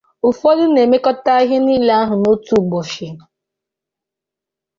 ụfọdụ na-emekọta ihe niile ahụ otu ụbọchị